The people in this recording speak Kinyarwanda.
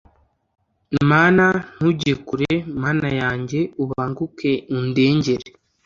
mana, ntunjye kure, mana yanjye, ubanguke undengere